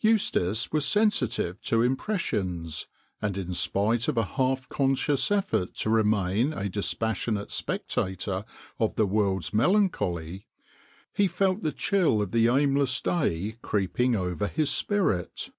Eustace was sensitive to impressions, and in spite of a half conscious effort to remain a dispassionate spectator of the world's melancholy, he felt the chill of the aimless day creeping over his spirit.